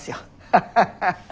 ハハハハ！